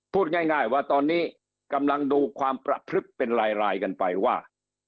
พูดง่ายว่าตอนนี้กำลังดูความประพฤกษ์เป็นลายกันไปว่า